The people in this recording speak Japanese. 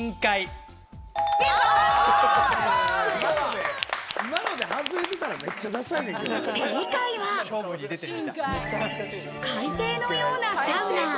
海底のようなサウナ。